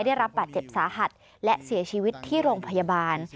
ได้รับบาดเจ็บสาหัสและเสียชีวิตที่โรงพยาบาล